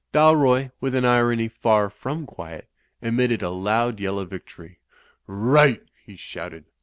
Dalroy, with an irony far from quiet, emitted a loud yell of victory. "Right," he shouted.